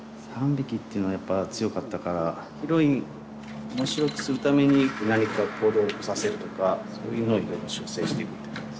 ３匹っていうのはやっぱ強かったからヒロイン面白くするために何か行動を起こさせるとかそういうのをいろいろ修正していくって感じ。